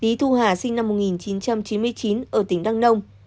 lý thu hà sinh năm một nghìn chín trăm chín mươi chín ở tỉnh đăng nông